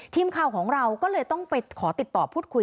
ทีมข่าวของเราก็เลยต้องไปขอติดต่อพูดคุย